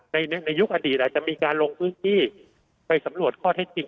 ในในยุคอดีตอาจจะมีการลงพื้นที่ไปสำรวจข้อเท็จจริง